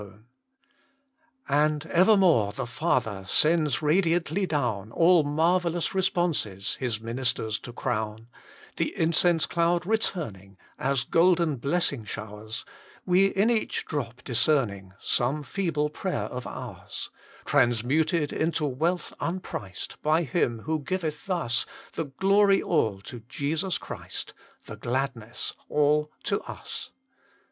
xiV THE MINISTRY OF INTERCESSION And evermore the Father Sends radiantly down All marvellous responses, His ministers to crown ; The incense cloud returning As golden blessing showers, We in each drop discerning Some feeble prayer of ours, Transmuted into wealth unpriced, By Him who giveth thus The glory all to Jesus Christ, The gladness all to us